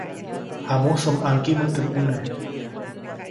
Jamusä ʼmaŋgiʼmä teʼ ʼmune.